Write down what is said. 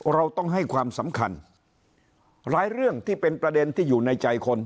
เราต้องให้ความสำคัญหลายเรื่องที่เป็นประเด็นที่อยู่ในใจคน